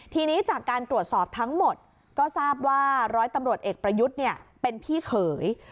ทีนี้จากการตรวจสอบทั้งหมดก็ทราบว่าร้อยตำรวจเอกประยุทธ์เป็นพี่เขย